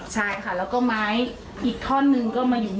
ใช่ค่ะแล้วก็ไม้อีกท่อนหนึ่งก็มาอยู่